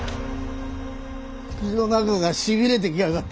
口の中がしびれてきやがった。